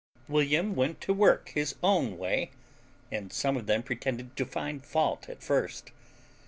William went to work his own way, and some of them pretended to find fault at first.